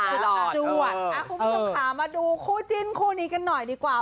จวดคุณผู้ชมขามาดูคู่จิ้นคู่นี้กันหน่อยดีกว่า